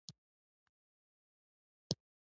تبریوس په دې خوښ و.